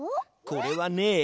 これはね